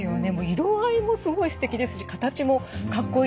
色合いもすごいすてきですし形もかっこいいですしね。